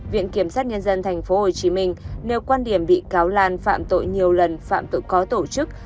viện kiểm sát nhân dân thành phố hồ chí minh nêu quan điểm bị cáo lan phạm tội nhiều lần phạm tội có tổ chức